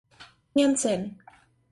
Hansen.